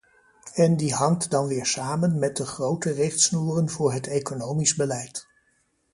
En die hangt dan weer samen met de grote richtsnoeren voor het economisch beleid.